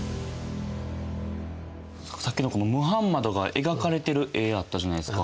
さっきのムハンマドが描かれてる絵あったじゃないですか。